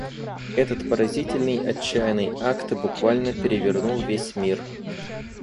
Этот поразительный отчаянный акт буквально перевернул весь мир.